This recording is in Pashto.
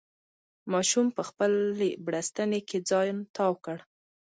ماشوم په خپلې بړستنې کې ځان تاو کړ.